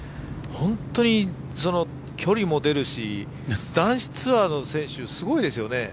ほんとに距離も出るし男子ツアーの選手すごいですよね。